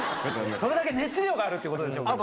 それだけ熱量があるってことでしょうけどね。